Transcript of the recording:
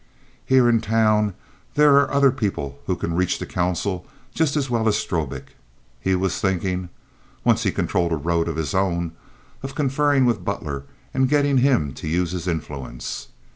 Here in town there are other people who can reach the council just as well as Strobik." He was thinking (once he controlled a road of his own) of conferring with Butler and getting him to use his influence.